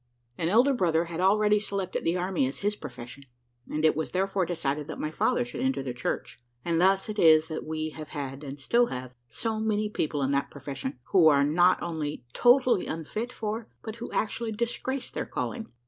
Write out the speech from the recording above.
An elder brother had already selected the army as his profession, and it was therefore decided that my father should enter the church: and thus it is that we have had, and still have, so many people in that profession, who are not only totally unfit for, but who actually disgrace their calling.